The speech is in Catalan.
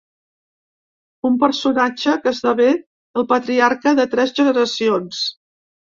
Un personatge que esdevé el patriarca de tres generacions.